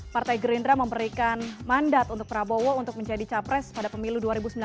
partai gerindra memberikan mandat untuk prabowo untuk menjadi capres pada pemilu dua ribu sembilan belas